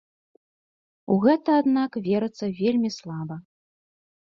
У гэта, аднак, верыцца вельмі слаба.